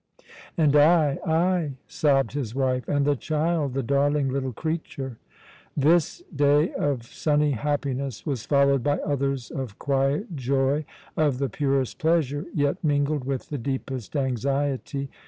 "And I I?" sobbed his wife. "And the child, the darling little creature!" This day of sunny happiness was followed by others of quiet joy, of the purest pleasure, yet mingled with the deepest anxiety.